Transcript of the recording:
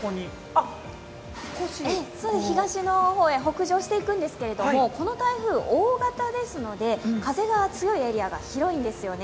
東の方に北上していくんですが、この台風、大型ですので風が強いエリアがヒロインですよね。